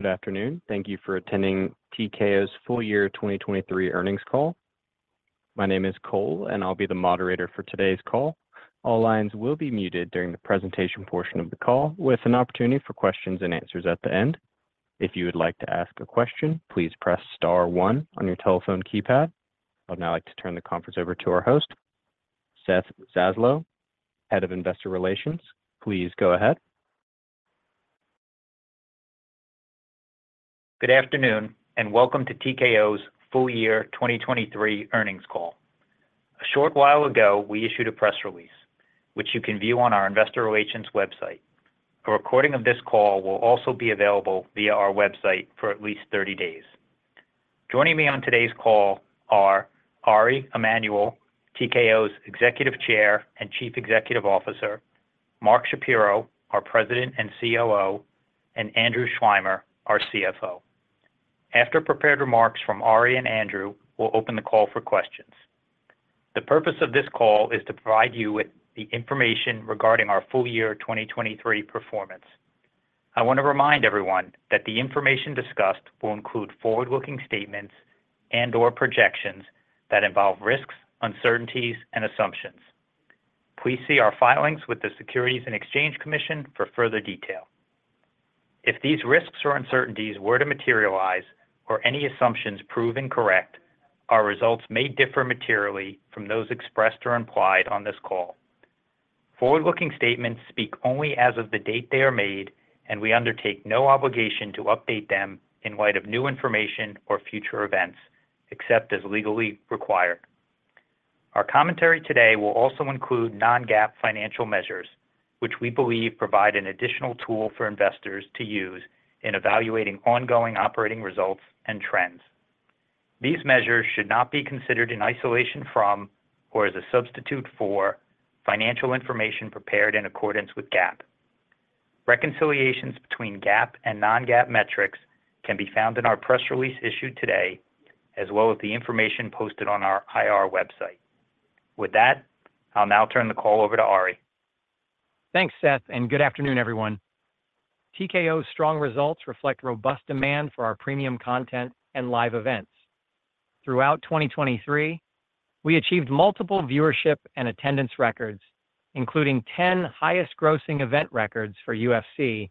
Good afternoon. Thank you for attending TKO's full-year 2023 earnings call. My name is Cole, and I'll be the moderator for today's call. All lines will be muted during the presentation portion of the call, with an opportunity for questions and answers at the end. If you would like to ask a question, please press star one on your telephone keypad. I'd now like to turn the conference over to our host, Seth Zaslow, Head of Investor Relations. Please go ahead. Good afternoon and welcome to TKO's full-year 2023 earnings call. A short while ago we issued a press release, which you can view on our Investor Relations website. A recording of this call will also be available via our website for at least 30 days. Joining me on today's call are Ari Emanuel, TKO's Executive Chair and Chief Executive Officer, Mark Shapiro, our President and COO, and Andrew Schleimer, our CFO. After prepared remarks from Ari and Andrew, we'll open the call for questions. The purpose of this call is to provide you with the information regarding our full-year 2023 performance. I want to remind everyone that the information discussed will include forward-looking statements and/or projections that involve risks, uncertainties, and assumptions. Please see our filings with the Securities and Exchange Commission for further detail. If these risks or uncertainties were to materialize, or any assumptions prove incorrect, our results may differ materially from those expressed or implied on this call. Forward-looking statements speak only as of the date they are made, and we undertake no obligation to update them in light of new information or future events, except as legally required. Our commentary today will also include non-GAAP financial measures, which we believe provide an additional tool for investors to use in evaluating ongoing operating results and trends. These measures should not be considered in isolation from, or as a substitute for, financial information prepared in accordance with GAAP. Reconciliations between GAAP and non-GAAP metrics can be found in our press release issued today, as well as the information posted on our IR website. With that, I'll now turn the call over to Ari. Thanks, Seth, and good afternoon, everyone. TKO's strong results reflect robust demand for our premium content and live events. Throughout 2023, we achieved multiple viewership and attendance records, including 10 highest-grossing event records for UFC,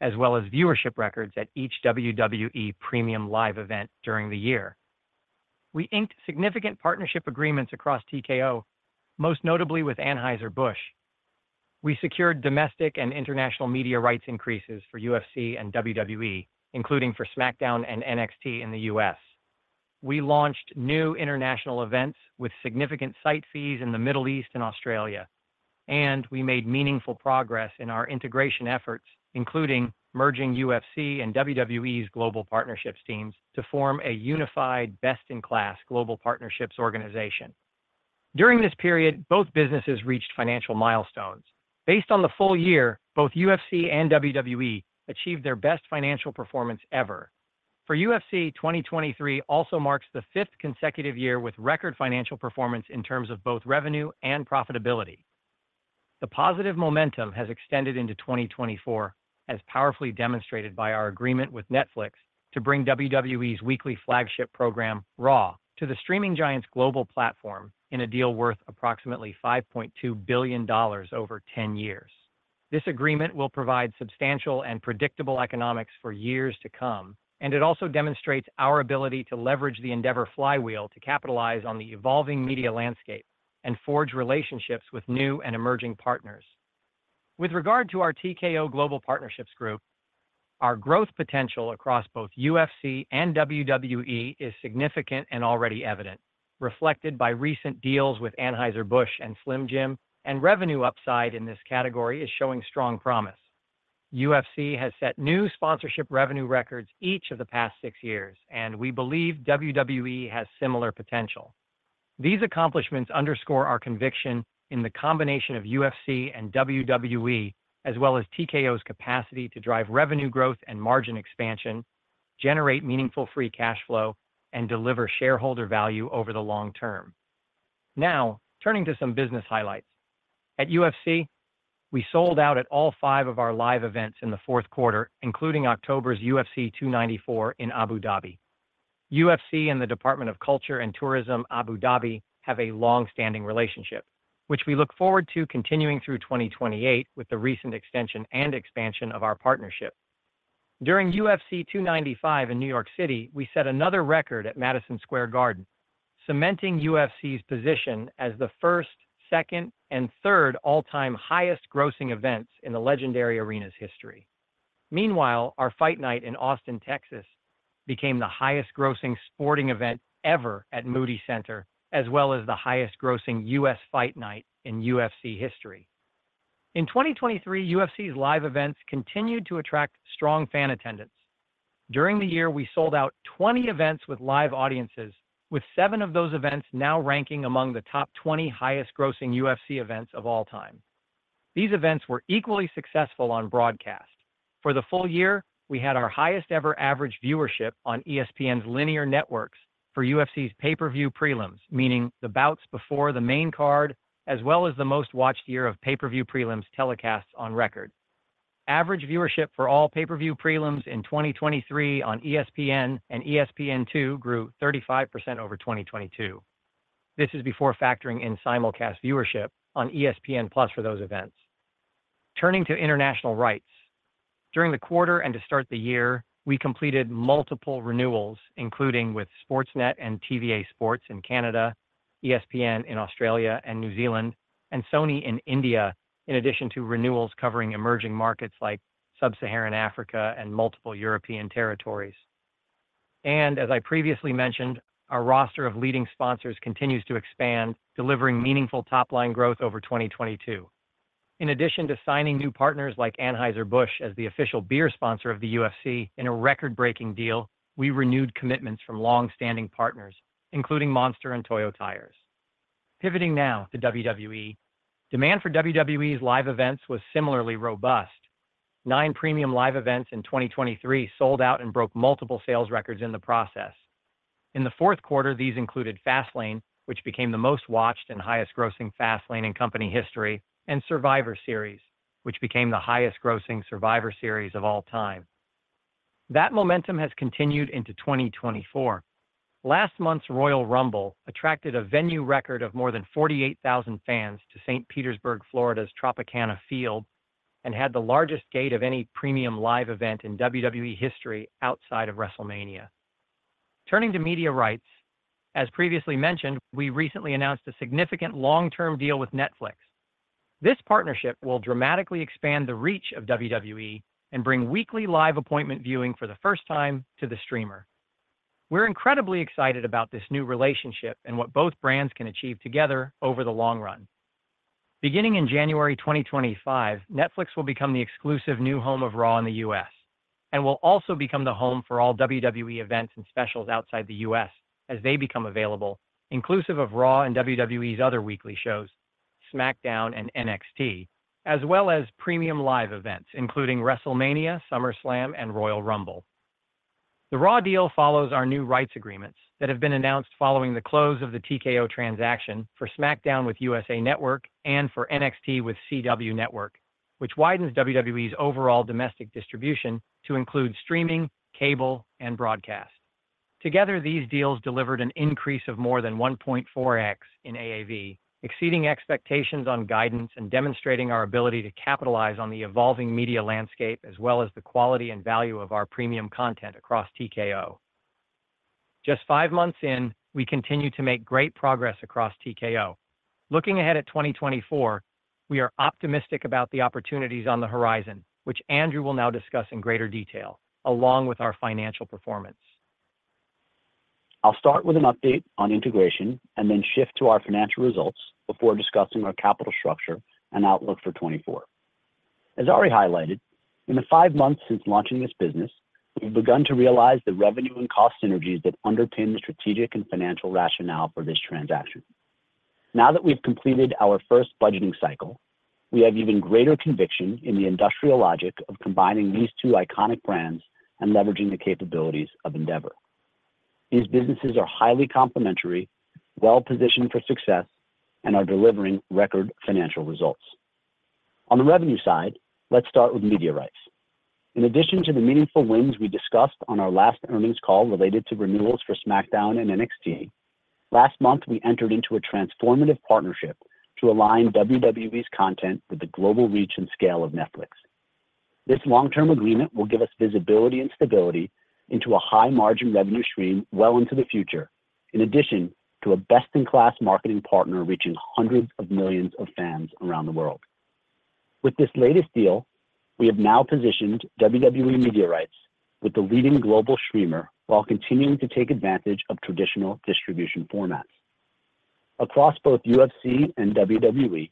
as well as viewership records at each WWE Premium Live event during the year. We inked significant partnership agreements across TKO, most notably with Anheuser-Busch. We secured domestic and international media rights increases for UFC and WWE, including for SmackDown and NXT in the U.S. We launched new international events with significant site fees in the Middle East and Australia. We made meaningful progress in our integration efforts, including merging UFC and WWE's global partnerships teams to form a unified, best-in-class global partnerships organization. During this period, both businesses reached financial milestones. Based on the full year, both UFC and WWE achieved their best financial performance ever. For UFC, 2023 also marks the fifth consecutive year with record financial performance in terms of both revenue and profitability. The positive momentum has extended into 2024, as powerfully demonstrated by our agreement with Netflix to bring WWE's weekly flagship program, Raw, to the streaming giant's global platform in a deal worth approximately $5.2 billion over 10 years. This agreement will provide substantial and predictable economics for years to come, and it also demonstrates our ability to leverage the Endeavor flywheel to capitalize on the evolving media landscape and forge relationships with new and emerging partners. With regard to our TKO Global Partnerships Group, our growth potential across both UFC and WWE is significant and already evident, reflected by recent deals with Anheuser-Busch and Slim Jim, and revenue upside in this category is showing strong promise. UFC has set new sponsorship revenue records each of the past six years, and we believe WWE has similar potential. These accomplishments underscore our conviction in the combination of UFC and WWE, as well as TKO's capacity to drive revenue growth and margin expansion, generate meaningful free cash flow, and deliver shareholder value over the long term. Now, turning to some business highlights. At UFC, we sold out at all five of our live events in the fourth quarter, including October's UFC 294 in Abu Dhabi. UFC and the Department of Culture and Tourism Abu Dhabi have a long-standing relationship, which we look forward to continuing through 2028 with the recent extension and expansion of our partnership. During UFC 295 in New York City, we set another record at Madison Square Garden, cementing UFC's position as the first, second, and third all-time highest-grossing events in the legendary arena's history. Meanwhile, our Fight Night in Austin, Texas, became the highest-grossing sporting event ever at Moody Center, as well as the highest-grossing U.S. Fight Night in UFC history. In 2023, UFC's live events continued to attract strong fan attendance. During the year, we sold out 20 events with live audiences, with seven of those events now ranking among the top 20 highest-grossing UFC events of all time. These events were equally successful on broadcast. For the full year, we had our highest-ever average viewership on ESPN's linear networks for UFC's pay-per-view prelims, meaning the bouts before the main card, as well as the most-watched year of pay-per-view prelims telecasts on record. Average viewership for all pay-per-view prelims in 2023 on ESPN and ESPN2 grew 35% over 2022. This is before factoring in simulcast viewership on ESPN+ for those events. Turning to international rights. During the quarter and to start the year, we completed multiple renewals, including with Sportsnet and TVA Sports in Canada, ESPN in Australia and New Zealand, and Sony in India, in addition to renewals covering emerging markets like Sub-Saharan Africa and multiple European territories. As I previously mentioned, our roster of leading sponsors continues to expand, delivering meaningful top-line growth over 2022. In addition to signing new partners like Anheuser-Busch as the official beer sponsor of the UFC in a record-breaking deal, we renewed commitments from long-standing partners, including Monster and Toyo Tires. Pivoting now to WWE. Demand for WWE's live events was similarly robust. Nine premium live events in 2023 sold out and broke multiple sales records in the process. In the fourth quarter, these included Fastlane, which became the most-watched and highest-grossing Fastlane in company history, and Survivor Series, which became the highest-grossing Survivor Series of all time. That momentum has continued into 2024. Last month's Royal Rumble attracted a venue record of more than 48,000 fans to St. Petersburg, Florida's Tropicana Field, and had the largest gate of any premium live event in WWE history outside of WrestleMania. Turning to media rights. As previously mentioned, we recently announced a significant long-term deal with Netflix. This partnership will dramatically expand the reach of WWE and bring weekly live appointment viewing for the first time to the streamer. We're incredibly excited about this new relationship and what both brands can achieve together over the long run. Beginning in January 2025, Netflix will become the exclusive new home of Raw in the U.S., and will also become the home for all WWE events and specials outside the U.S. As they become available, inclusive of Raw and WWE's other weekly shows, SmackDown and NXT, as well as premium live events including WrestleMania, SummerSlam, and Royal Rumble. The Raw deal follows our new rights agreements that have been announced following the close of the TKO transaction for SmackDown with USA Network and for NXT with CW Network, which widens WWE's overall domestic distribution to include streaming, cable, and broadcast. Together, these deals delivered an increase of more than 1.4x in AAV, exceeding expectations on guidance and demonstrating our ability to capitalize on the evolving media landscape as well as the quality and value of our premium content across TKO. Just five months in, we continue to make great progress across TKO. Looking ahead at 2024, we are optimistic about the opportunities on the horizon, which Andrew will now discuss in greater detail, along with our financial performance. I'll start with an update on integration and then shift to our financial results before discussing our capital structure and outlook for 2024. As Ari highlighted, in the five months since launching this business, we've begun to realize the revenue and cost synergies that underpin the strategic and financial rationale for this transaction. Now that we've completed our first budgeting cycle, we have even greater conviction in the industrial logic of combining these two iconic brands and leveraging the capabilities of Endeavor. These businesses are highly complementary, well-positioned for success, and are delivering record financial results. On the revenue side, let's start with media rights. In addition to the meaningful wins we discussed on our last earnings call related to renewals for SmackDown and NXT, last month we entered into a transformative partnership to align WWE's content with the global reach and scale of Netflix. This long-term agreement will give us visibility and stability into a high-margin revenue stream well into the future, in addition to a best-in-class marketing partner reaching hundreds of millions of fans around the world. With this latest deal, we have now positioned WWE media rights with the leading global streamer while continuing to take advantage of traditional distribution formats. Across both UFC and WWE,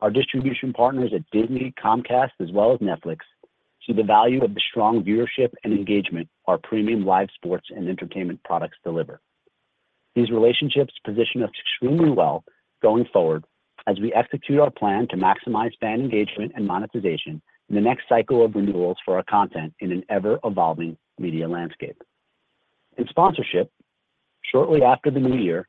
our distribution partners at Disney, Comcast, as well as Netflix see the value of the strong viewership and engagement our premium live sports and entertainment products deliver. These relationships position us extremely well going forward as we execute our plan to maximize fan engagement and monetization in the next cycle of renewals for our content in an ever-evolving media landscape. In sponsorship, shortly after the new year,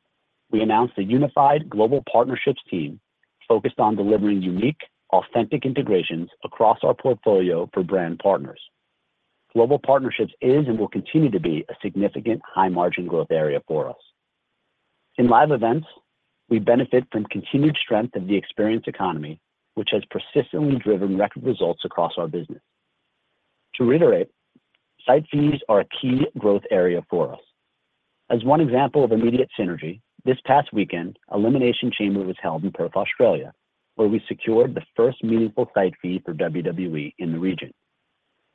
we announced a unified global partnerships team focused on delivering unique, authentic integrations across our portfolio for brand partners. Global partnerships is and will continue to be a significant high-margin growth area for us. In live events, we benefit from continued strength of the experience economy, which has persistently driven record results across our business. To reiterate, site fees are a key growth area for us. As one example of immediate synergy, this past weekend, Elimination Chamber was held in Perth, Australia, where we secured the first meaningful site fee for WWE in the region.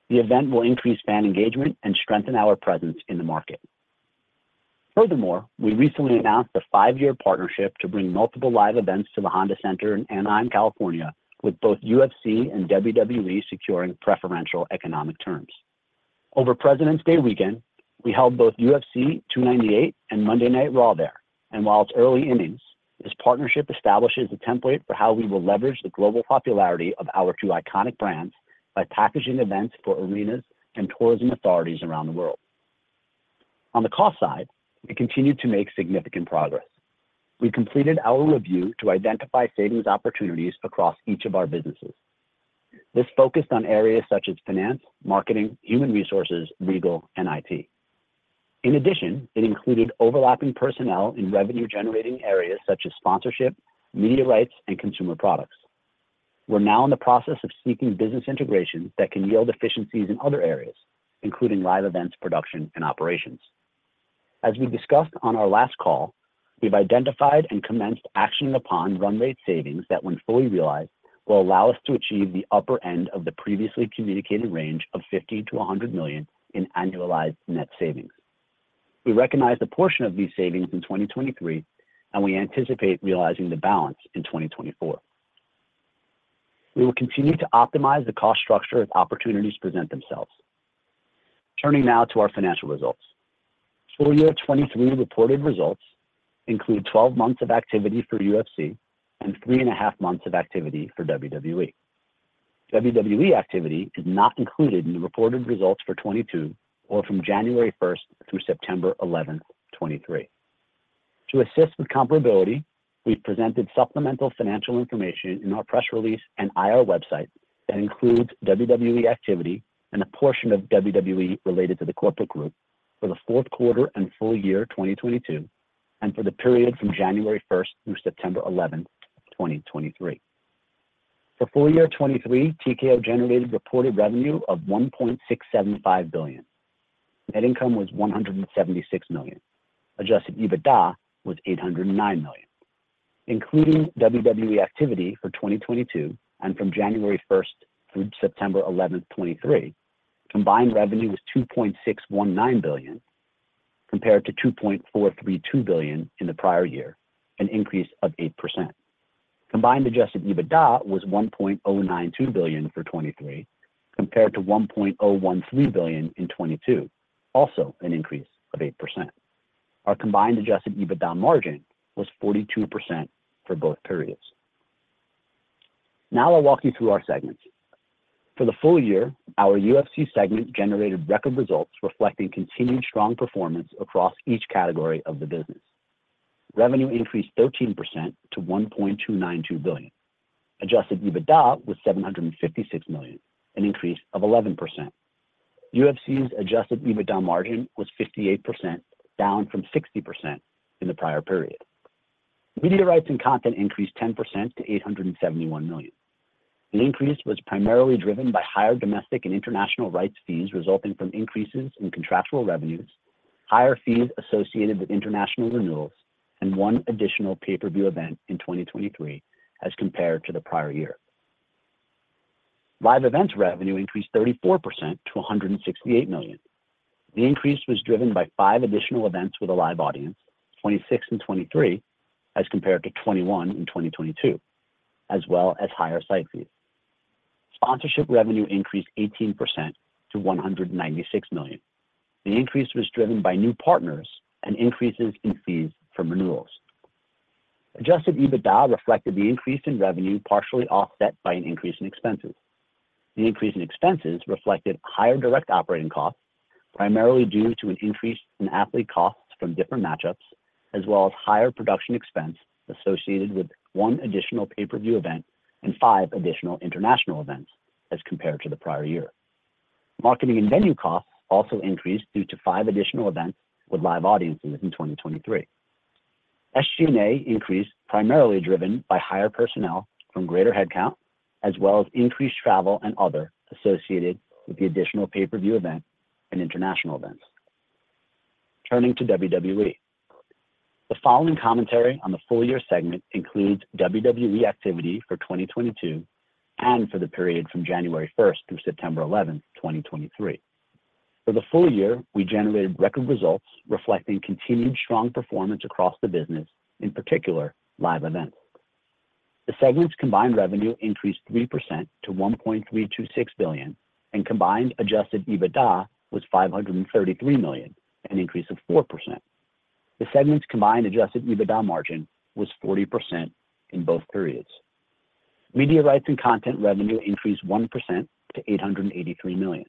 The event will increase fan engagement and strengthen our presence in the market. Furthermore, we recently announced a five-year partnership to bring multiple live events to the Honda Center in Anaheim, California, with both UFC and WWE securing preferential economic terms. Over Presidents' Day weekend, we held both UFC 298 and Monday Night Raw there, and while it's early innings, this partnership establishes a template for how we will leverage the global popularity of our two iconic brands by packaging events for arenas and tourism authorities around the world. On the cost side, we continue to make significant progress. We completed our review to identify savings opportunities across each of our businesses. This focused on areas such as finance, marketing, human resources, legal, and IT. In addition, it included overlapping personnel in revenue-generating areas such as sponsorship, media rights, and consumer products. We're now in the process of seeking business integrations that can yield efficiencies in other areas, including live events production and operations. As we discussed on our last call, we've identified and commenced actioning upon run rate savings that, when fully realized, will allow us to achieve the upper end of the previously communicated range of $50 million-$100 million in annualized net savings. We recognize a portion of these savings in 2023, and we anticipate realizing the balance in 2024. We will continue to optimize the cost structure as opportunities present themselves. Turning now to our financial results. For year 2023 reported results include 12 months of activity for UFC and three and a half months of activity for WWE. WWE activity is not included in the reported results for 2022 or from January 1st through September 11th, 2023. To assist with comparability, we've presented supplemental financial information in our press release and IR website that includes WWE activity and a portion of WWE related to the corporate group for the fourth quarter and full year 2022 and for the period from January 1st through September 11th, 2023. For full year 2023, TKO generated reported revenue of $1.675 billion. Net income was $176 million. Adjusted EBITDA was $809 million. Including WWE activity for 2022 and from January 1st through September 11th, 2023, combined revenue was $2.619 billion compared to $2.432 billion in the prior year, an increase of 8%. Combined adjusted EBITDA was $1.092 billion for 2023 compared to $1.013 billion in 2022, also an increase of 8%. Our combined adjusted EBITDA margin was 42% for both periods. Now I'll walk you through our segments. For the full year, our UFC segment generated record results reflecting continued strong performance across each category of the business. Revenue increased 13% to $1.292 billion. Adjusted EBITDA was $756 million, an increase of 11%. UFC's adjusted EBITDA margin was 58%, down from 60% in the prior period. Media rights and content increased 10% to $871 million. The increase was primarily driven by higher domestic and international rights fees resulting from increases in contractual revenues, higher fees associated with international renewals, and one additional pay-per-view event in 2023 as compared to the prior year. Live events revenue increased 34% to $168 million. The increase was driven by five additional events with a live audience, 26 in 2023 as compared to 21 in 2022, as well as higher site fees. Sponsorship revenue increased 18% to $196 million. The increase was driven by new partners and increases in fees for renewals. Adjusted EBITDA reflected the increase in revenue partially offset by an increase in expenses. The increase in expenses reflected higher direct operating costs, primarily due to an increase in athlete costs from different matchups, as well as higher production expense associated with one additional pay-per-view event and five additional international events as compared to the prior year. Marketing and venue costs also increased due to five additional events with live audiences in 2023. SG&A increased primarily driven by higher personnel from greater headcount, as well as increased travel and other associated with the additional pay-per-view event and international events. Turning to WWE. The following commentary on the full-year segment includes WWE activity for 2022 and for the period from January 1st through September 11th, 2023. For the full year, we generated record results reflecting continued strong performance across the business, in particular live events. The segment's combined revenue increased 3% to $1.326 billion, and combined adjusted EBITDA was $533 million, an increase of 4%. The segment's combined adjusted EBITDA margin was 40% in both periods. Media rights and content revenue increased 1% to $883 million.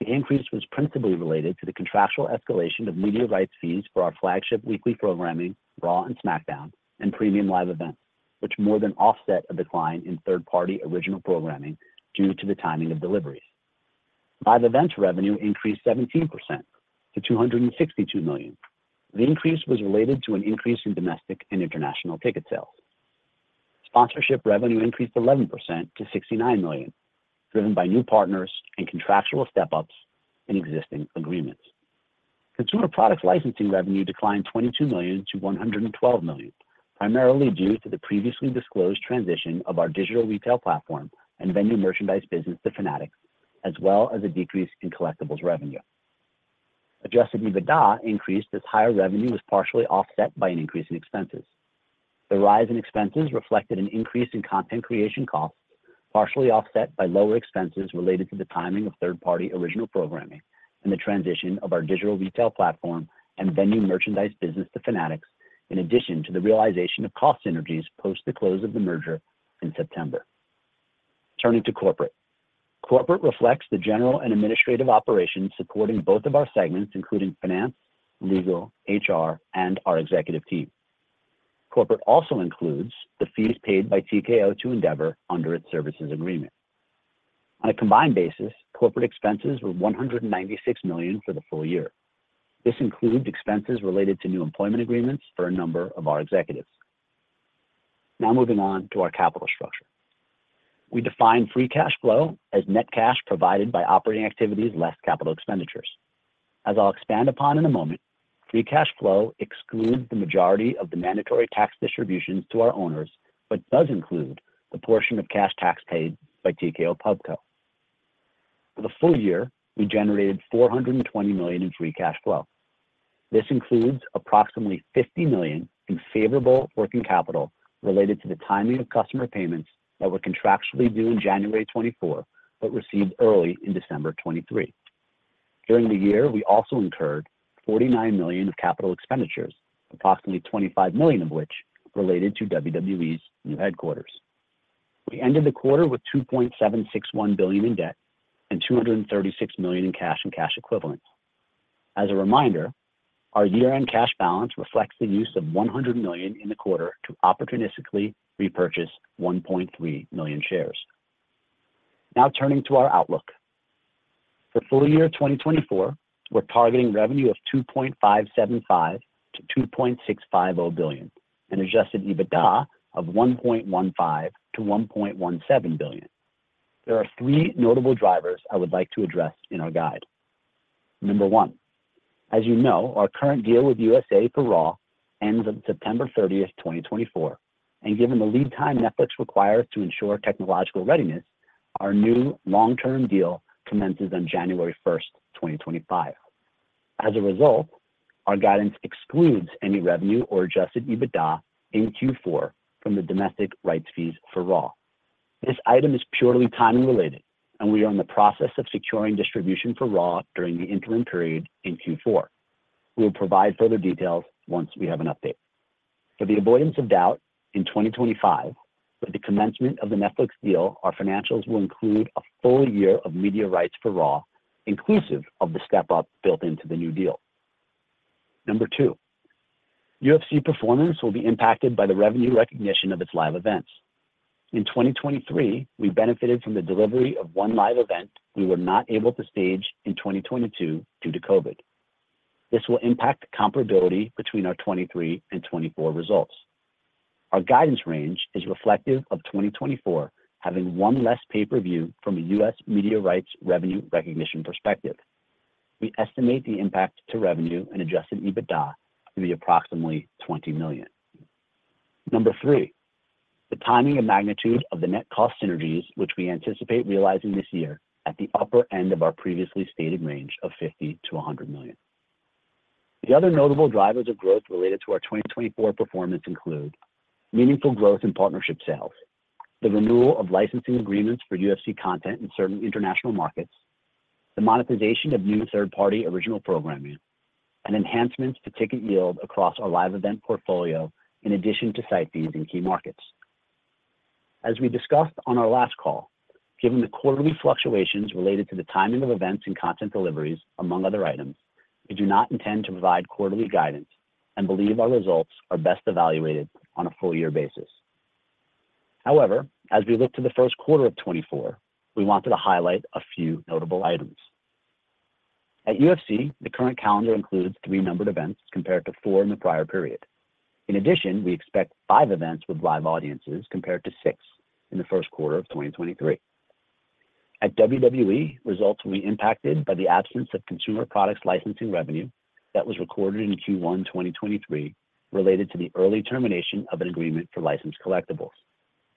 The increase was principally related to the contractual escalation of media rights fees for our flagship weekly programming, Raw and SmackDown, and premium live events, which more than offset a decline in third-party original programming due to the timing of deliveries. Live events revenue increased 17% to $262 million. The increase was related to an increase in domestic and international ticket sales. Sponsorship revenue increased 11% to $69 million, driven by new partners and contractual step-ups in existing agreements. Consumer products licensing revenue declined $22 million to $112 million, primarily due to the previously disclosed transition of our digital retail platform and venue merchandise business to Fanatics, as well as a decrease in collectibles revenue. Adjusted EBITDA increased as higher revenue was partially offset by an increase in expenses. The rise in expenses reflected an increase in content creation costs, partially offset by lower expenses related to the timing of third-party original programming and the transition of our digital retail platform and venue merchandise business to Fanatics, in addition to the realization of cost synergies post the close of the merger in September. Turning to Corporate. Corporate reflects the general and administrative operations supporting both of our segments, including finance, legal, HR, and our executive team. Corporate also includes the fees paid by TKO to Endeavor under its services agreement. On a combined basis, corporate expenses were $196 million for the full year. This included expenses related to new employment agreements for a number of our executives. Now moving on to our capital structure. We define free cash flow as net cash provided by operating activities less capital expenditures. As I'll expand upon in a moment, free cash flow excludes the majority of the mandatory tax distributions to our owners but does include the portion of cash tax paid by TKO PubCo. For the full year, we generated $420 million in free cash flow. This includes approximately $50 million in favorable working capital related to the timing of customer payments that were contractually due in January 2024 but received early in December 2023. During the year, we also incurred $49 million of capital expenditures, approximately $25 million of which related to WWE's new headquarters. We ended the quarter with $2.761 billion in debt and $236 million in cash and cash equivalents. As a reminder, our year-end cash balance reflects the use of $100 million in the quarter to opportunistically repurchase 1.3 million shares. Now turning to our outlook. For full year 2024, we're targeting revenue of $2.575-$2.650 billion and adjusted EBITDA of $1.15-$1.17 billion. There are three notable drivers I would like to address in our guide. Number one, as you know, our current deal with USA for Raw ends on September 30th, 2024, and given the lead time Netflix requires to ensure technological readiness, our new long-term deal commences on January 1st, 2025. As a result, our guidance excludes any revenue or adjusted EBITDA in Q4 from the domestic rights fees for Raw. This item is purely timing-related, and we are in the process of securing distribution for Raw during the interim period in Q4. We will provide further details once we have an update. For the avoidance of doubt, in 2025, with the commencement of the Netflix deal, our financials will include a full year of media rights for Raw, inclusive of the step-up built into the new deal. Number two, UFC performance will be impacted by the revenue recognition of its live events. In 2023, we benefited from the delivery of one live event we were not able to stage in 2022 due to COVID. This will impact comparability between our 2023 and 2024 results. Our guidance range is reflective of 2024 having one less pay-per-view from a U.S. media rights revenue recognition perspective. We estimate the impact to revenue and adjusted EBITDA to be approximately $20 million. Number 3, the timing and magnitude of the net cost synergies, which we anticipate realizing this year at the upper end of our previously stated range of $50-$100 million. The other notable drivers of growth related to our 2024 performance include meaningful growth in partnership sales, the renewal of licensing agreements for UFC content in certain international markets, the monetization of new third-party original programming, and enhancements to ticket yield across our live event portfolio in addition to site fees in key markets. As we discussed on our last call, given the quarterly fluctuations related to the timing of events and content deliveries, among other items, we do not intend to provide quarterly guidance and believe our results are best evaluated on a full-year basis. However, as we look to the first quarter of 2024, we wanted to highlight a few notable items. At UFC, the current calendar includes three numbered events compared to four in the prior period. In addition, we expect five events with live audiences compared to six in the first quarter of 2023. At WWE, results will be impacted by the absence of consumer products licensing revenue that was recorded in Q1 2023 related to the early termination of an agreement for licensed collectibles.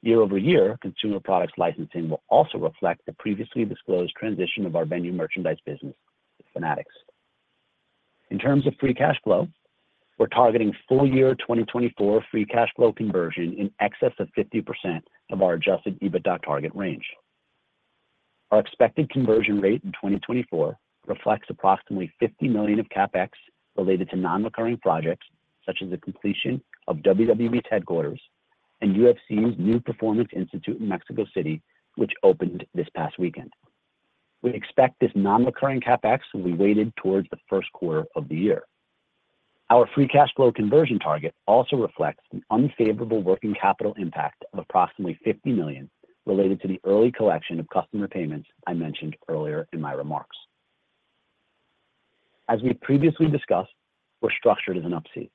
Year-over-year, consumer products licensing will also reflect the previously disclosed transition of our venue merchandise business to Fanatics. In terms of free cash flow, we're targeting full-year 2024 free cash flow conversion in excess of 50% of our adjusted EBITDA target range. Our expected conversion rate in 2024 reflects approximately $50 million of CapEx related to non-recurring projects such as the completion of WWE's headquarters and UFC's new performance institute in Mexico City, which opened this past weekend. We expect this non-recurring CapEx will be weighted towards the first quarter of the year. Our free cash flow conversion target also reflects the unfavorable working capital impact of approximately $50 million related to the early collection of customer payments I mentioned earlier in my remarks. As we previously discussed, we're structured as an Up-C.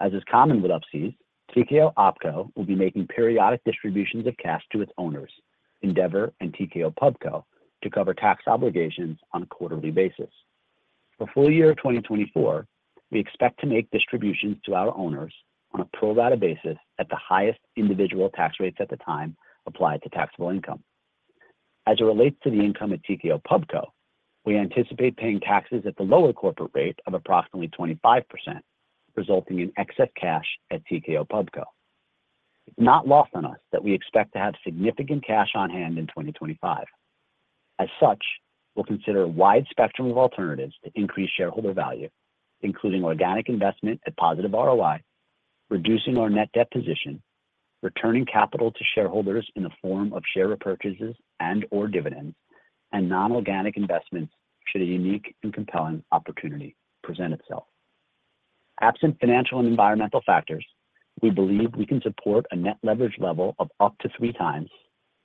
As is common with Up-Cs, TKO OpCo will be making periodic distributions of cash to its owners, Endeavor and TKO PubCo, to cover tax obligations on a quarterly basis. For full year 2024, we expect to make distributions to our owners on a pro rata basis at the highest individual tax rates at the time applied to taxable income. As it relates to the income at TKO PubCo, we anticipate paying taxes at the lower corporate rate of approximately 25%, resulting in excess cash at TKO PubCo. It's not lost on us that we expect to have significant cash on hand in 2025. As such, we'll consider a wide spectrum of alternatives to increase shareholder value, including organic investment at positive ROI, reducing our net debt position, returning capital to shareholders in the form of share repurchases and/or dividends, and non-organic investments should a unique and compelling opportunity present itself. Absent financial and environmental factors, we believe we can support a net leverage level of up to 3x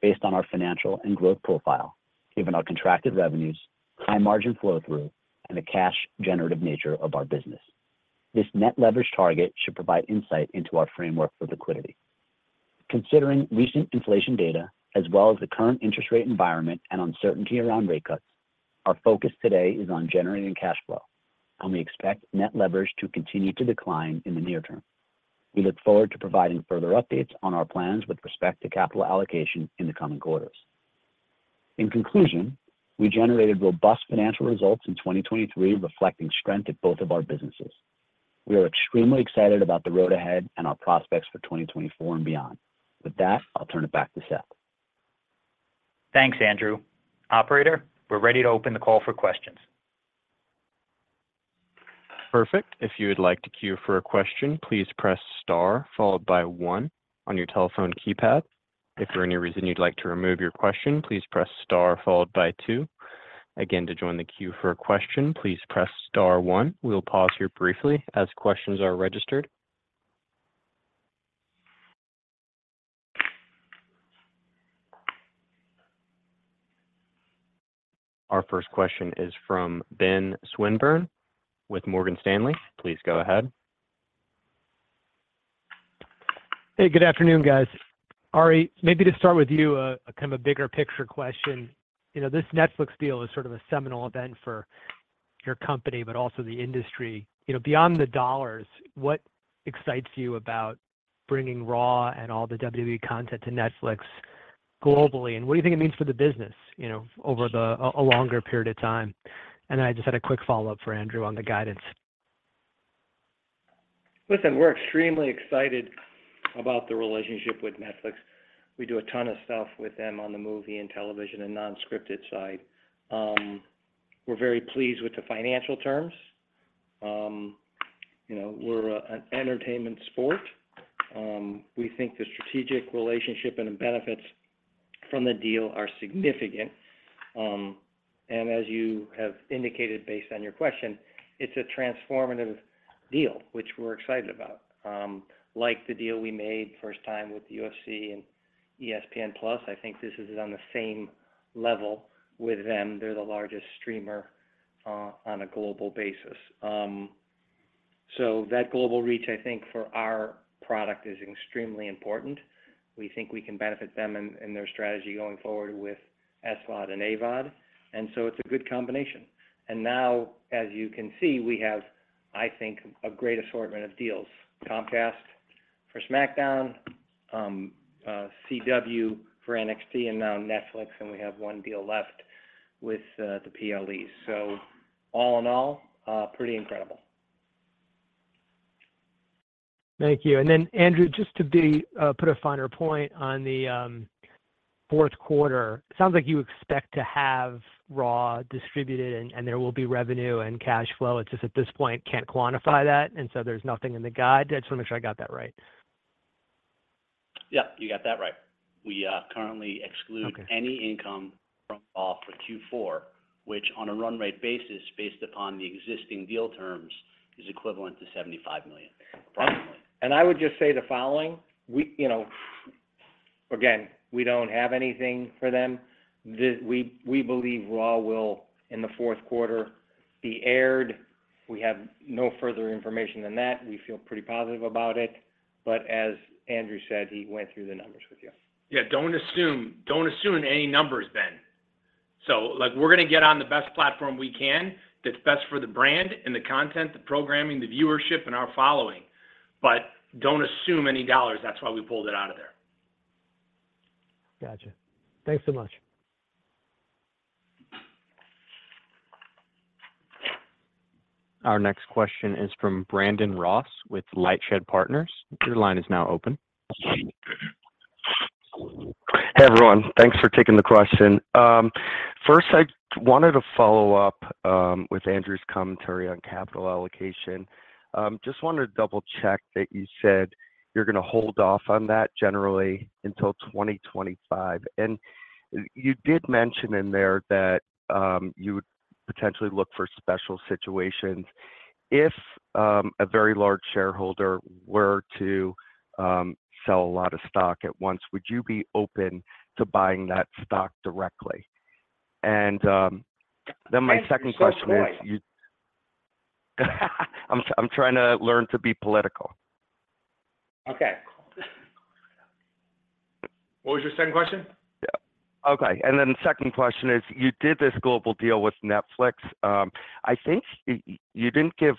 based on our financial and growth profile, given our contracted revenues, high margin flow-through, and the cash-generative nature of our business. This net leverage target should provide insight into our framework for liquidity. Considering recent inflation data as well as the current interest rate environment and uncertainty around rate cuts, our focus today is on generating cash flow, and we expect net leverage to continue to decline in the near term. We look forward to providing further updates on our plans with respect to capital allocation in the coming quarters. In conclusion, we generated robust financial results in 2023 reflecting strength at both of our businesses. We are extremely excited about the road ahead and our prospects for 2024 and beyond. With that, I'll turn it back to Seth. Thanks, Andrew. Operator, we're ready to open the call for questions. Perfect. If you would like to queue for a question, please press star followed by one on your telephone keypad. If for any reason you'd like to remove your question, please press star followed by two. Again, to join the queue for a question, please press star one. We'll pause here briefly as questions are registered. Our first question is from Ben Swinburne with Morgan Stanley. Please go ahead. Hey, good afternoon, guys. Ari, maybe to start with you, a kind of a bigger picture question. This Netflix deal is sort of a seminal event for your company but also the industry. Beyond the dollars, what excites you about bringing Raw and all the WWE content to Netflix globally, and what do you think it means for the business over a longer period of time? Then I just had a quick follow-up for Andrew on the guidance. Listen, we're extremely excited about the relationship with Netflix. We do a ton of stuff with them on the movie and television and non-scripted side. We're very pleased with the financial terms. We're an entertainment sport. We think the strategic relationship and the benefits from the deal are significant. And as you have indicated based on your question, it's a transformative deal, which we're excited about. Like the deal we made first time with the UFC and ESPN+, I think this is on the same level with them. They're the largest streamer on a global basis. So that global reach, I think, for our product is extremely important. We think we can benefit them in their strategy going forward with SVOD and AVOD. And so it's a good combination. And now, as you can see, we have, I think, a great assortment of deals: Comcast for SmackDown, CW for NXT, and now Netflix, and we have one deal left with the PLEs. So all in all, pretty incredible. Thank you. And then, Andrew, just to put a finer point on the fourth quarter, it sounds like you expect to have Raw distributed, and there will be revenue and cash flow. It's just at this point, can't quantify that, and so there's nothing in the guide. I just want to make sure I got that right? Yep, you got that right. We currently exclude any income from Raw for Q4, which, on a run-rate basis, based upon the existing deal terms, is equivalent to $75 million, approximately. I would just say the following. Again, we don't have anything for them. We believe Raw will, in the fourth quarter, be aired. We have no further information than that. We feel pretty positive about it. But as Andrew said, he went through the numbers with you. Yeah, don't assume any numbers, Ben. So we're going to get on the best platform we can that's best for the brand and the content, the programming, the viewership, and our following. But don't assume any dollars. That's why we pulled it out of there. Gotcha. Thanks so much. Our next question is from Brandon Ross with Lightshed Partners. Your line is now open. Hey, everyone. Thanks for taking the question. First, I wanted to follow up with Andrew's commentary on capital allocation. Just wanted to double-check that you said you're going to hold off on that generally until 2025. And you did mention in there that you would potentially look for special situations. If a very large shareholder were to sell a lot of stock at once, would you be open to buying that stock directly? And then my second question is. I'm sorry. I'm trying to learn to be political. Okay. What was your second question? Yeah. Okay. And then the second question is, you did this global deal with Netflix. I think you didn't give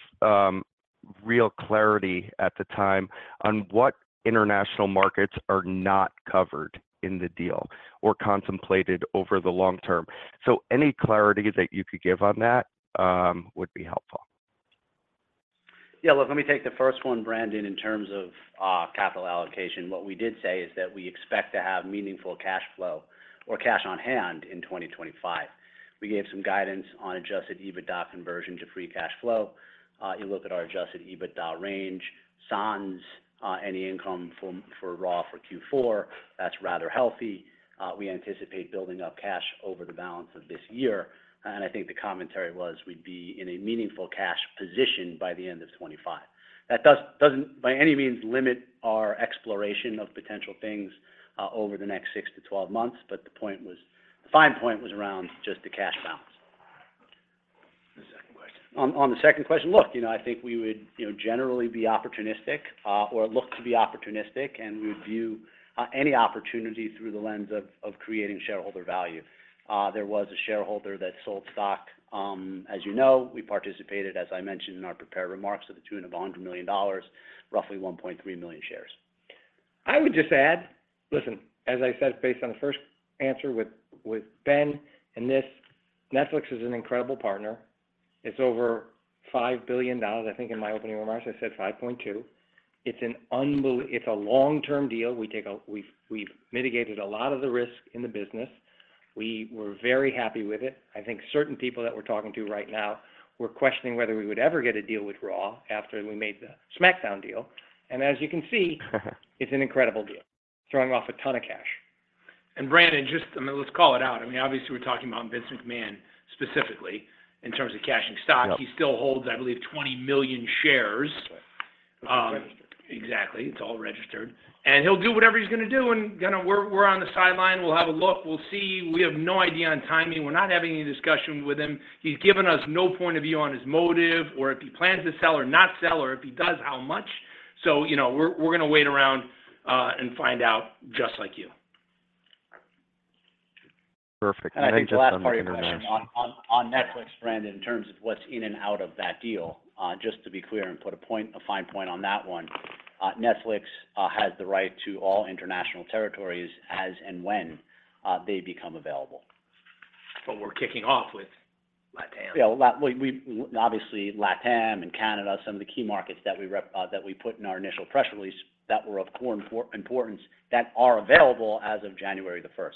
real clarity at the time on what international markets are not covered in the deal or contemplated over the long term. So any clarity that you could give on that would be helpful. Yeah, look, let me take the first one, Brandon, in terms of capital allocation. What we did say is that we expect to have meaningful cash flow or cash on hand in 2025. We gave some guidance on adjusted EBITDA conversion to free cash flow. You look at our adjusted EBITDA range, plus any income for Raw for Q4, that's rather healthy. We anticipate building up cash over the balance of this year. And I think the commentary was we'd be in a meaningful cash position by the end of 2025. That doesn't, by any means, limit our exploration of potential things over the next 6 to 12 months, but the fine point was around just the cash balance. The second question. On the second question, look, I think we would generally be opportunistic or look to be opportunistic, and we would view any opportunity through the lens of creating shareholder value. There was a shareholder that sold stock. As you know, we participated, as I mentioned in our prepared remarks, at the tune of $100 million, roughly 1.3 million shares. I would just add, listen, as I said, based on the first answer with Ben and this, Netflix is an incredible partner. It's over $5 billion. I think in my opening remarks, I said $5.2 billion. It's a long-term deal. We've mitigated a lot of the risk in the business. We were very happy with it. I think certain people that we're talking to right now were questioning whether we would ever get a deal with Raw after we made the SmackDown deal. And as you can see, it's an incredible deal, throwing off a ton of cash. And Brandon, just I mean, let's call it out. I mean, obviously, we're talking about Vince McMahon specifically in terms of cashing stock. He still holds, I believe, 20 million shares. That's what's registered. Exactly. It's all registered. He'll do whatever he's going to do. We're on the sidelines. We'll have a look. We'll see. We have no idea on timing. We're not having any discussion with him. He's given us no point of view on his motive or if he plans to sell or not sell or if he does, how much. So we're going to wait around and find out, just like you. Perfect. And then just on the international. I think the last part of your question on Netflix, Brandon, in terms of what's in and out of that deal, just to be clear and put a fine point on that one, Netflix has the right to all international territories as and when they become available. But we're kicking off with LatAm. Yeah, obviously, LatAm and Canada, some of the key markets that we put in our initial press release that were of core importance, that are available as of January 1st.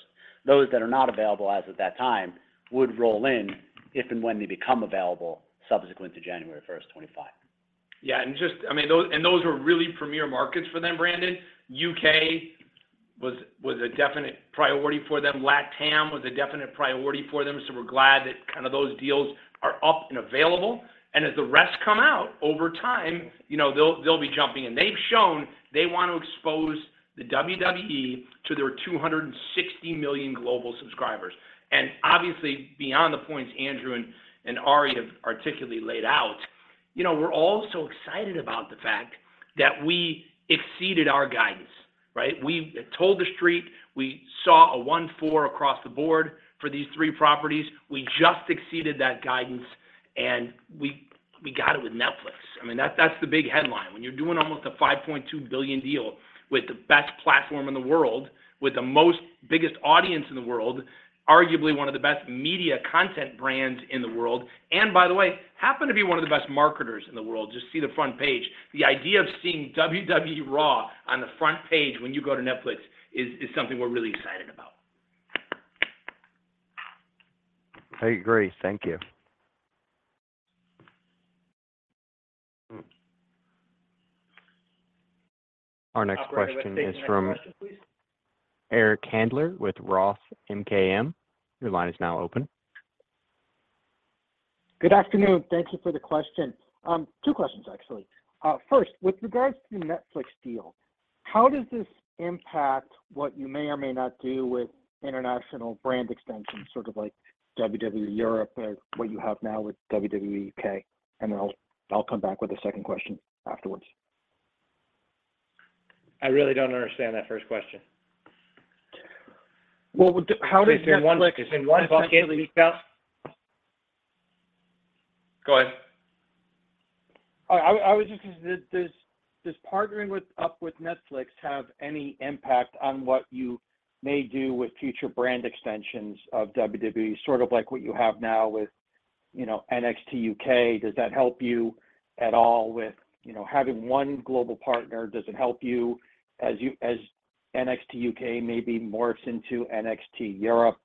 Those that are not available as of that time would roll in if and when they become available subsequent to January 1st, 2025. Yeah. I mean, those are really premier markets for them, Brandon. U.K. was a definite priority for them. LatAm was a definite priority for them. So we're glad that kind of those deals are up and available. And as the rest come out over time, they'll be jumping. And they've shown they want to expose the WWE to their 260 million global subscribers. And obviously, beyond the points Andrew and Ari have articulately laid out, we're all so excited about the fact that we exceeded our guidance, right? We told the street. We saw a 1.4 across the board for these three properties. We just exceeded that guidance, and we got it with Netflix. I mean, that's the big headline. When you're doing almost a $5.2 billion deal with the best platform in the world, with the biggest audience in the world, arguably one of the best media content brands in the world, and by the way, happen to be one of the best marketers in the world, just see the front page. The idea of seeing WWE Raw on the front page when you go to Netflix is something we're really excited about. I agree. Thank you. Our next question is from Eric Handler with Roth MKM. Your line is now open. Good afternoon. Thank you for the question. Two questions, actually. First, with regards to the Netflix deal, how does this impact what you may or may not do with international brand extensions, sort of like WWE Europe or what you have now with WWE U.K.? And then I'll come back with a second question afterwards. I really don't understand that first question. Well, how does Netflix? Is it in one bucket? Go ahead. All right. I was just going to say, does partnering up with Netflix have any impact on what you may do with future brand extensions of WWE, sort of like what you have now with NXT U.K.? Does that help you at all with having one global partner? Does it help you as NXT U.K. maybe morphs into NXT Europe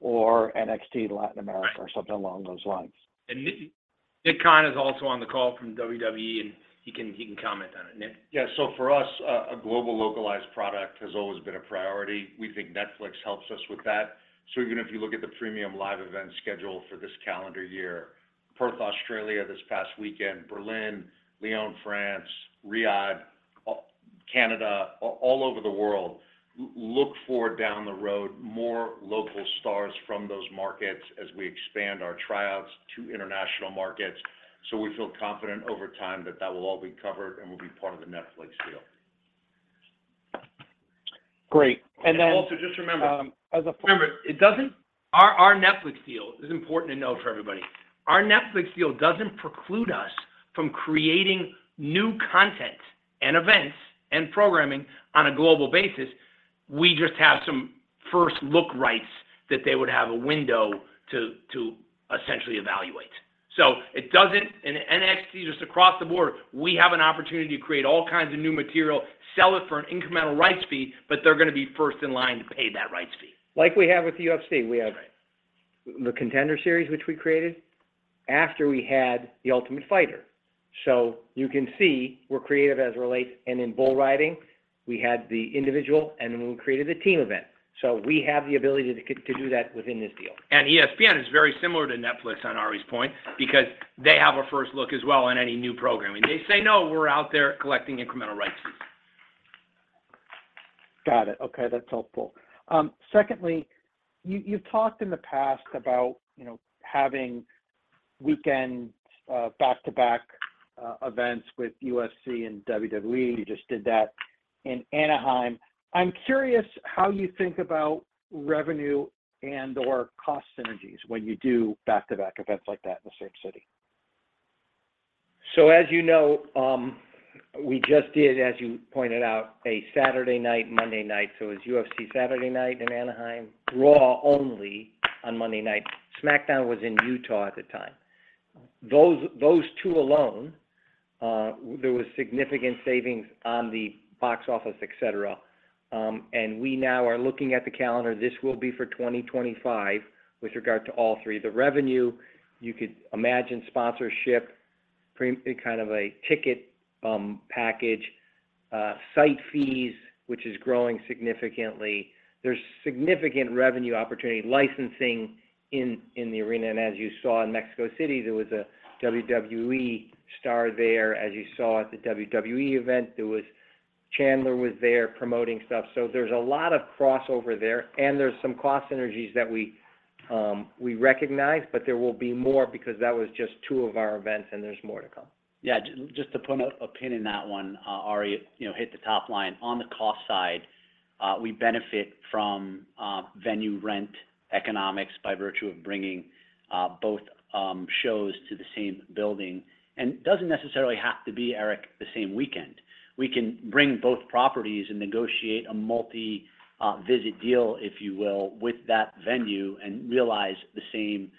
or NXT Latin America or something along those lines? Nick Khan is also on the call from WWE, and he can comment on it. Nick? Yeah. So for us, a global localized product has always been a priority. We think Netflix helps us with that. So even if you look at the premium live event schedule for this calendar year, Perth, Australia this past weekend, Berlin, Lyon, France, Riyadh, Canada, all over the world, look for down the road more local stars from those markets as we expand our tryouts to international markets. So we feel confident over time that that will all be covered and will be part of the Netflix deal. Great. Then. Also, just remember. As a. Remember, our Netflix deal is important to know for everybody. Our Netflix deal doesn't preclude us from creating new content and events and programming on a global basis. We just have some first-look rights that they would have a window to essentially evaluate. So in NXT, just across the board, we have an opportunity to create all kinds of new material, sell it for an incremental rights fee, but they're going to be first in line to pay that rights fee. Like we have with the UFC, we have the Contender Series, which we created after we had the Ultimate Fighter. So you can see we're creative as it relates. And in bull riding, we had the individual, and then we created the team event. So we have the ability to do that within this deal. ESPN is very similar to Netflix, on Ari's point, because they have a first look as well on any new programming. They say, "No, we're out there collecting incremental rights fees. Got it. Okay. That's helpful. Secondly, you've talked in the past about having weekend back-to-back events with UFC and WWE. You just did that in Anaheim. I'm curious how you think about revenue and/or cost synergies when you do back-to-back events like that in the same city? So as you know, we just did, as you pointed out, a Saturday night, Monday night. So it was UFC Saturday night in Anaheim, Raw only on Monday night. SmackDown was in Utah at the time. Those two alone, there was significant savings on the box office, etc. And we now are looking at the calendar. This will be for 2025 with regard to all three. The revenue, you could imagine sponsorship, kind of a ticket package, site fees, which is growing significantly. There's significant revenue opportunity, licensing in the arena. And as you saw in Mexico City, there was a WWE star there. As you saw at the WWE event, Chandler was there promoting stuff. So there's a lot of crossover there, and there's some cost synergies that we recognize, but there will be more because that was just two of our events, and there's more to come. Yeah. Just to put an opinion on that one, Ari, hit the top line. On the cost side, we benefit from venue rent economics by virtue of bringing both shows to the same building. It doesn't necessarily have to be, Eric, the same weekend. We can bring both properties and negotiate a multi-visit deal, if you will, with that venue and realize the same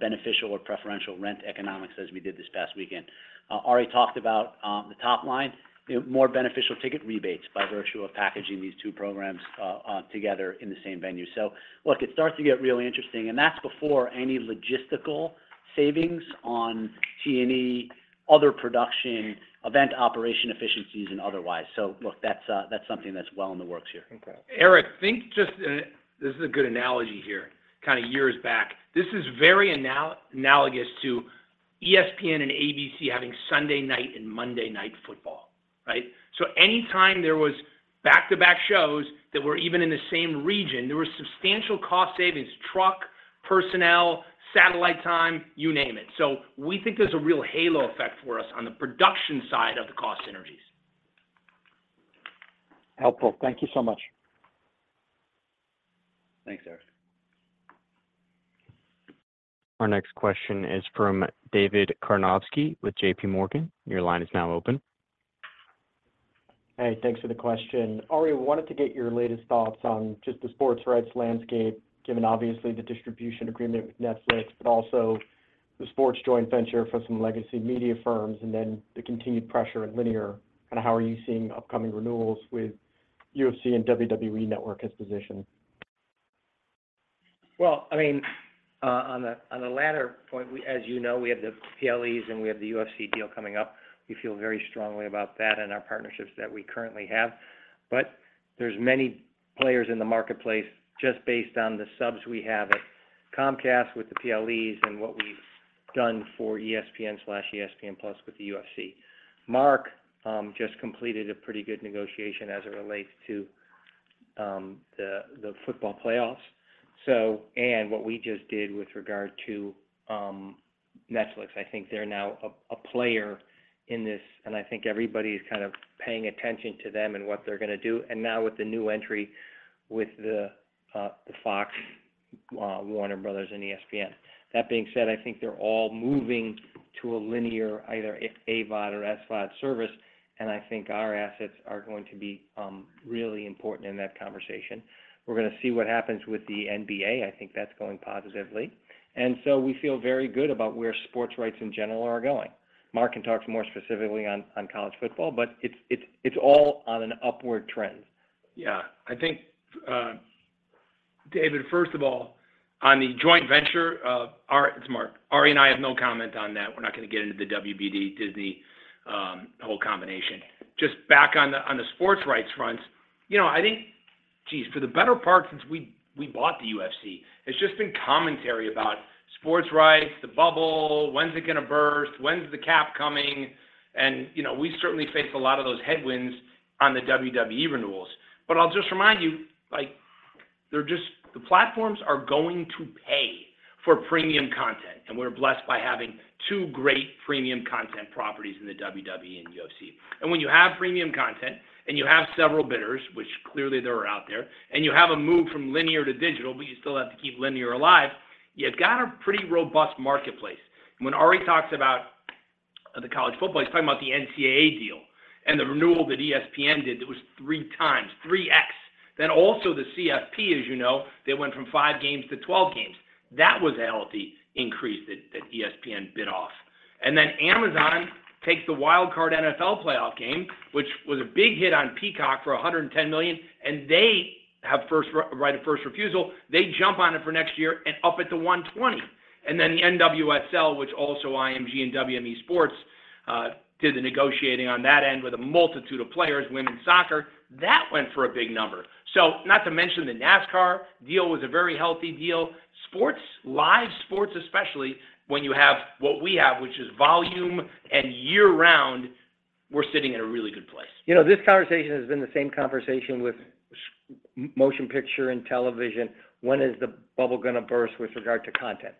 beneficial or preferential rent economics as we did this past weekend. Ari talked about the top line, more beneficial ticket rebates by virtue of packaging these two programs together in the same venue. So look, it starts to get really interesting. That's before any logistical savings on T&E, other production, event operation efficiencies, and otherwise. So look, that's something that's well in the works here. Okay. Eric, think just this is a good analogy here, kind of years back. This is very analogous to ESPN and ABC having Sunday Night and Monday Night Football, right? So anytime there was back-to-back shows that were even in the same region, there were substantial cost savings, truck, personnel, satellite time, you name it. So we think there's a real halo effect for us on the production side of the cost synergies. Helpful. Thank you so much. Thanks, Eric. Our next question is from David Karnovsky with JPMorgan. Your line is now open. Hey, thanks for the question. Ari, I wanted to get your latest thoughts on just the sports rights landscape, given obviously the distribution agreement with Netflix, but also the sports joint venture for some legacy media firms and then the continued pressure at linear. Kind of how are you seeing upcoming renewals with UFC and WWE Network as positioned? Well, I mean, on the latter point, as you know, we have the PLEs, and we have the UFC deal coming up. We feel very strongly about that and our partnerships that we currently have. But there's many players in the marketplace just based on the subs we have at Comcast with the PLEs and what we've done for ESPN/ESPN+ with the UFC. Mark just completed a pretty good negotiation as it relates to the football playoffs and what we just did with regard to Netflix. I think they're now a player in this, and I think everybody is kind of paying attention to them and what they're going to do. And now with the new entry with the Fox, Warner Bros., and ESPN. That being said, I think they're all moving to a linear, either AVOD or SVOD service. I think our assets are going to be really important in that conversation. We're going to see what happens with the NBA. I think that's going positively. And so we feel very good about where sports rights in general are going. Mark can talk more specifically on college football, but it's all on an upward trend. Yeah. I think, David, first of all, on the joint venture, it's Mark. Ari and I have no comment on that. We're not going to get into the WBD, Disney, whole combination. Just back on the sports rights fronts, I think, geez, for the better part since we bought the UFC, it's just been commentary about sports rights, the bubble, when's it going to burst, when's the cap coming. And we certainly face a lot of those headwinds on the WWE renewals. But I'll just remind you, the platforms are going to pay for premium content, and we're blessed by having two great premium content properties in the WWE and UFC. And when you have premium content and you have several bidders, which clearly there are out there, and you have a move from Linear to digital, but you still have to keep Linear alive, you've got a pretty robust marketplace. When Ari talks about the college football, he's talking about the NCAA deal and the renewal that ESPN did that was 3 times, 3X. Then also the CFP, as you know, they went from 5 games to 12 games. That was a healthy increase that ESPN bid off. And then Amazon takes the Wild Card NFL playoff game, which was a big hit on Peacock for $110 million, and they right a first refusal. They jump on it for next year and up at the $120 million. And then the NWSL, which also IMG and WME Sports did the negotiating on that end with a multitude of players, women's soccer, that went for a big number. So not to mention the NASCAR deal was a very healthy deal. Live sports, especially when you have what we have, which is volume and year-round, we're sitting at a really good place. This conversation has been the same conversation with Motion Picture and television. When is the bubble going to burst with regard to content?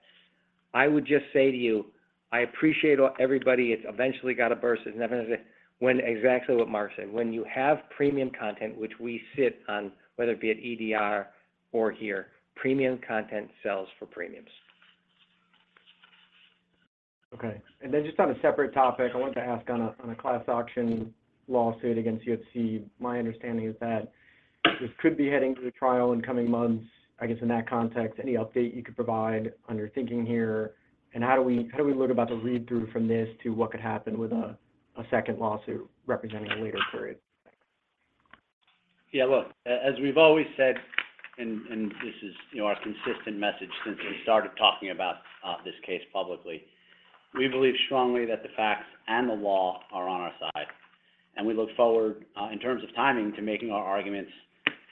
I would just say to you, I appreciate everybody. It's eventually got to burst. It's never going to say when exactly what Mark said. When you have premium content, which we sit on, whether it be at EDR or here, premium content sells for premiums. Okay. And then just on a separate topic, I wanted to ask on a class action lawsuit against UFC. My understanding is that this could be heading to a trial in coming months. I guess in that context, any update you could provide on your thinking here, and how do we look about the read-through from this to what could happen with a second lawsuit representing a later period? Thanks. Yeah. Look, as we've always said, and this is our consistent message since we started talking about this case publicly, we believe strongly that the facts and the law are on our side. We look forward, in terms of timing, to making our arguments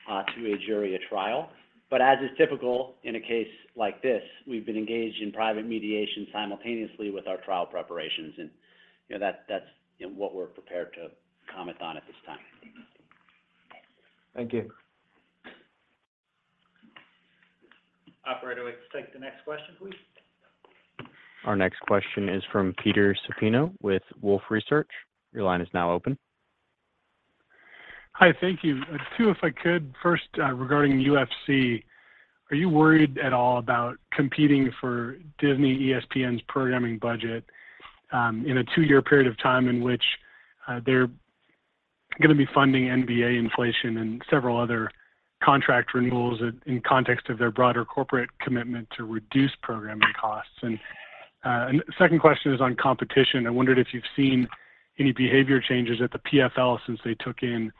to a jury at trial. But as is typical in a case like this, we've been engaged in private mediation simultaneously with our trial preparations. That's what we're prepared to comment on at this time. Thank you. Operator, let's take the next question, please. Our next question is from Peter Supino with Wolfe Research. Your line is now open. Hi. Thank you. Two, if I could. First, regarding UFC, are you worried at all about competing for Disney ESPN's programming budget in a two-year period of time in which they're going to be funding NBA inflation and several other contract renewals in context of their broader corporate commitment to reduce programming costs? The second question is on competition. I wondered if you've seen any behavior changes at the PFL since they took in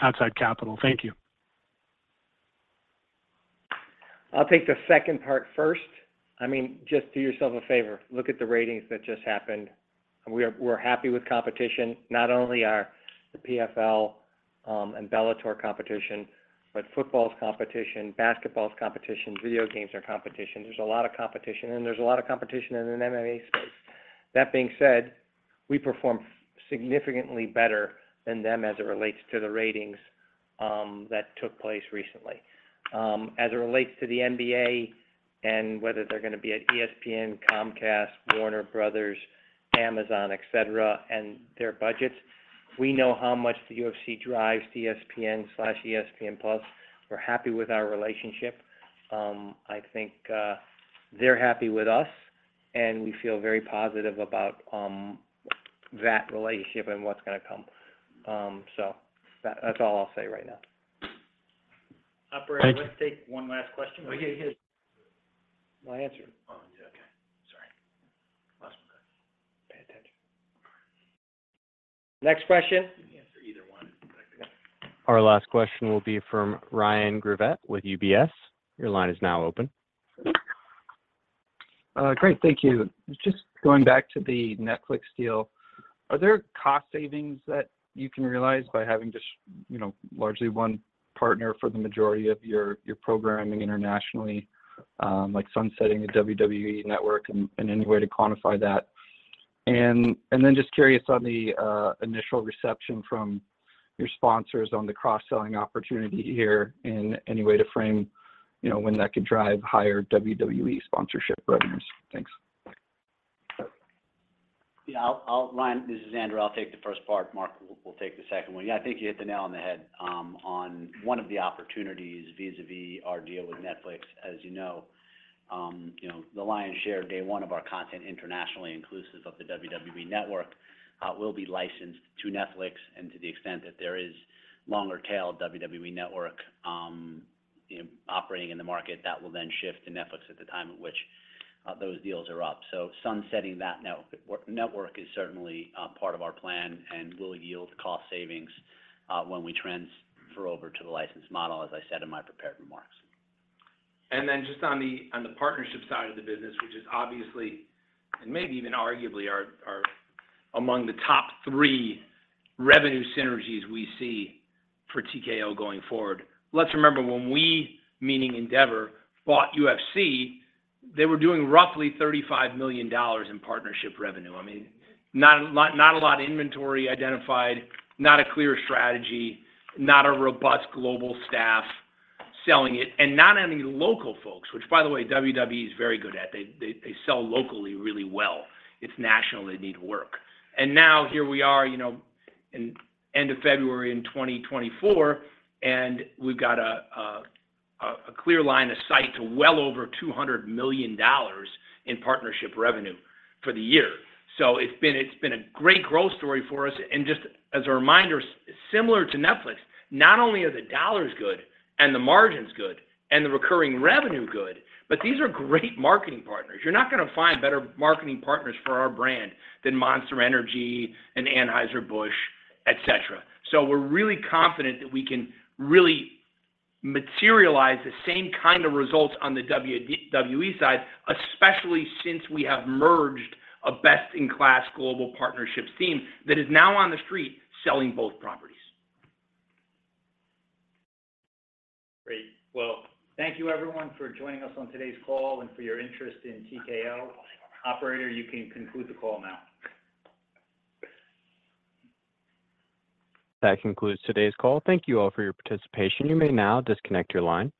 outside capital. Thank you. I'll take the second part first. I mean, just do yourself a favor. Look at the ratings that just happened. We're happy with competition, not only the PFL and Bellator competition, but football's competition, basketball's competition, video games are competition. There's a lot of competition, and there's a lot of competition in the MMA space. That being said, we perform significantly better than them as it relates to the ratings that took place recently. As it relates to the NBA and whether they're going to be at ESPN, Comcast, Warner Bros., Amazon, etc., and their budgets, we know how much the UFC drives ESPN/ESPN+. We're happy with our relationship. I think they're happy with us, and we feel very positive about that relationship and what's going to come. So that's all I'll say right now. Operator, let's take one last question, please. Oh, yeah, yeah. My answer. Oh, yeah. Okay. Sorry. Last one. Pay attention. Next question. You can answer either one. Our last question will be from Ryan Grevatt with UBS. Your line is now open. Great. Thank you. Just going back to the Netflix deal, are there cost savings that you can realize by having just largely one partner for the majority of your programming internationally, like sunsetting a WWE Network in any way to quantify that? And then just curious on the initial reception from your sponsors on the cross-selling opportunity here in any way to frame when that could drive higher WWE sponsorship revenues? Thanks. Yeah. Ryan, this is Andrew. I'll take the first part. Mark, we'll take the second one. Yeah, I think you hit the nail on the head on one of the opportunities vis-à-vis our deal with Netflix. As you know, the lion's share, day one of our content internationally inclusive of the WWE Network will be licensed to Netflix. And to the extent that there is longer-tailed WWE Network operating in the market, that will then shift to Netflix at the time at which those deals are up. So sunsetting that network is certainly part of our plan and will yield cost savings when we transfer over to the licensed model, as I said in my prepared remarks. And then just on the partnership side of the business, which is obviously and maybe even arguably among the top three revenue synergies we see for TKO going forward, let's remember when we, meaning Endeavor, bought UFC, they were doing roughly $35 million in partnership revenue. I mean, not a lot of inventory identified, not a clear strategy, not a robust global staff selling it, and not any local folks, which, by the way, WWE is very good at. They sell locally really well. It's national. They need work. And now here we are in end of February in 2024, and we've got a clear line of sight to well over $200 million in partnership revenue for the year. So it's been a great growth story for us. Just as a reminder, similar to Netflix, not only are the dollars good and the margins good and the recurring revenue good, but these are great marketing partners. You're not going to find better marketing partners for our brand than Monster Energy and Anheuser-Busch, etc. So we're really confident that we can really materialize the same kind of results on the WWE side, especially since we have merged a best-in-class global partnerships team that is now on the street selling both properties. Great. Well, thank you, everyone, for joining us on today's call and for your interest in TKO. Operator, you can conclude the call now. That concludes today's call. Thank you all for your participation. You may now disconnect your line.